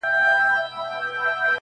سلامي سول که امیرکه اردلیان وه-